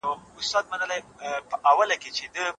که نقشه وي نو هیواد نه ورکیږي.